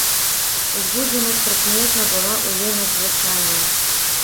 Узбуджанасць прыкметна была ў ёй надзвычайная.